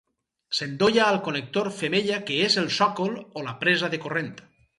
S'endolla al connector femella que és el sòcol o la presa de corrent.